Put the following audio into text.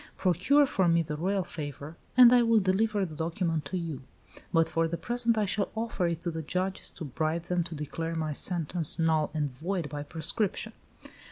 Procure for me the royal favor, and I will deliver the document to you; but for the present I shall offer it to the judges to bribe them to declare my sentence null and void by prescription."